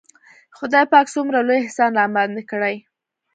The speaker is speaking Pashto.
خداى پاک څومره لوى احسان راباندې کړى.